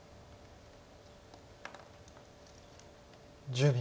１０秒。